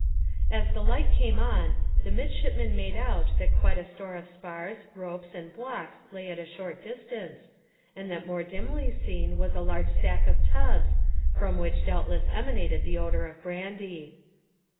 As the light came on, the midshipman made out that quite a store of spars, ropes, and blocks lay at a short distance, and that more dimly seen was a large stack of tubs, from which doubtless emanated the odour of brandy.